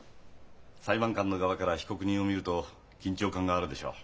裁判官の側から被告人を見ると緊張感があるでしょう？